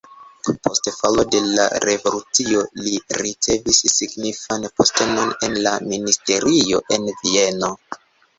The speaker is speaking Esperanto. Post falo de la revolucio li ricevis signifan postenon en la ministerio en Vieno.